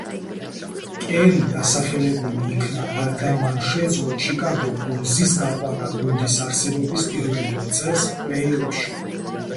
კერი დასახელებული იქნა, რადგან მან შეძლო ჩიკაგო ბულზის გაყვანა გუნდის არსებობის პირველივე წელს პლეი-ოფში.